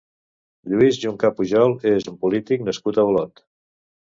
Lluís Juncà Pujol és un polític nascut a Olot.